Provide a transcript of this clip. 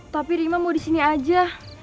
tapi rima mau disini saja